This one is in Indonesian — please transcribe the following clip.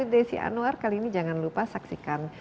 dari si anwar kali ini jangan lupa saksikan